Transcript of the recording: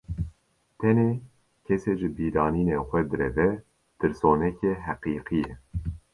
Tenê, kesê ji bîranînên xwe direve, tirsonekê heqîqî ye.